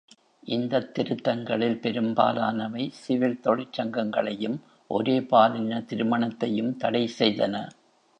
இந்த திருத்தங்களில் பெரும்பாலானவை சிவில் தொழிற்சங்கங்களையும் ஒரே பாலின திருமணத்தையும் தடை செய்தன.